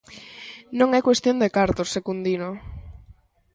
Non é cuestión de cartos, Secundino.